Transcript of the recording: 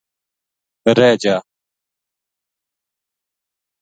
رہ جا